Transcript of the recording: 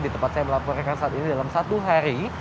di tempat saya melaporkan saat ini dalam satu hari